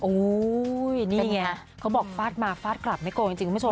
โอ้โหนี่ไงเขาบอกฟาดมาฟาดกลับไม่กลัวจริงคุณผู้ชม